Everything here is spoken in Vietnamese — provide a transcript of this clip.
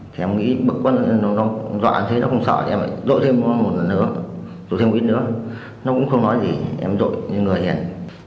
thì em nghĩ bực quá nên nó dọa thế nó không sợ em dội thêm một lần nữa dội thêm một ít nữa nó cũng không nói gì em dội người hiền